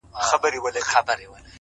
زه يې د نوم تر يوه ټكي صدقه نه سومه،